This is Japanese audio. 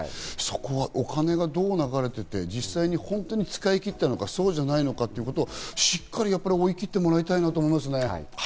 お金がどう流れていて、実際に本当に使い切ったのか、そうじゃないのか、しっかり、やっぱり追い切ってもらいたいなと思いますね。